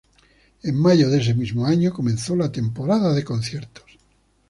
En mayo de ese mismo año comenzó la temporada de conciertos.